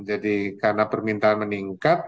jadi karena permintaan meningkat